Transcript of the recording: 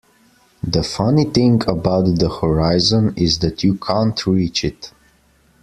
The funny thing about the horizon is that you can't reach it.